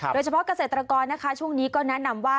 โดยเฉพาะเกษตรกรนะคะช่วงนี้ก็แนะนำว่า